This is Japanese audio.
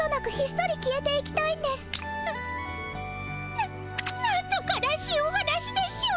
ななんと悲しいお話でしょう。